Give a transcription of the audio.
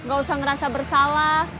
gak usah merasa bersalah